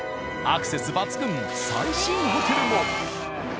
アクセス抜群最新ホテルも。